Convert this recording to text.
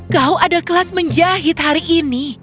kau ada kelas menjahit hari ini